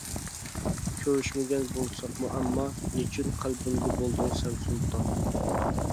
كۆرۈشمىگەن بولساقمۇ ئەمما، نېچۈن قەلبىمگە بولدۇڭ سەن سۇلتان.